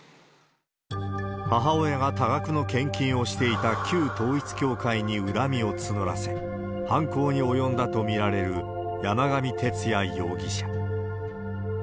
母親が多額の献金をしていた旧統一教会に恨みを募らせ、犯行に及んだと見られる、山上徹也容疑者。